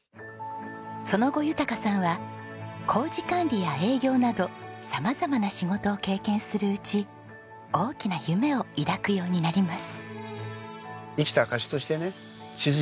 その後豊さんは工事管理や営業など様々な仕事を経験するうち大きな夢を抱くようになります。